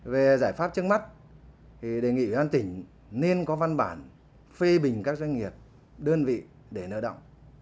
về giải pháp chứng mắt đề nghị ubnd tỉnh nên có văn bản phê bình các doanh nghiệp đơn vị để nợ động